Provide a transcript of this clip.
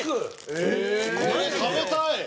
これ食べたい！